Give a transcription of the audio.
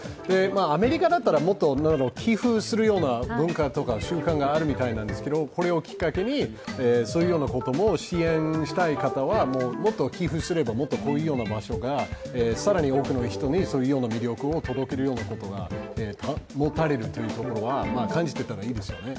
アメリカだったらもっと寄付するような文化とか習慣があるみたいなんですけど、これをきっかけに、そういうようなことも支援したい方はもっと寄付すれば、もっとこういうような場所が更に多くの人にそういう魅力を届けられるということを感じていたらいいですよね。